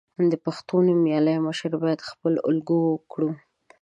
د پښتو نومیالي مشران باید خپله الګو کړو.